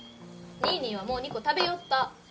ニーニーはもう２個食べよった。